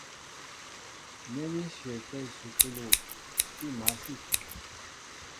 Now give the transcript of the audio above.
Nɛ́ ní shyəətɛ́ ísukúlu, sí mǎl sí a cə.